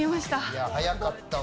いや早かったわ。